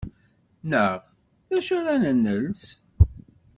Neɣ: D acu ara nels?